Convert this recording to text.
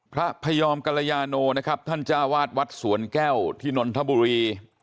พระพยอมกรยาโนนะครับท่านจ้าวาดวัดสวนแก้วที่นนทบุรี